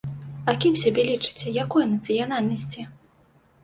А кім сябе лічыце, якой нацыянальнасці?